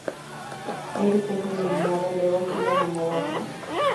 Eric es eliminado luego siguen a Nueva Orleans.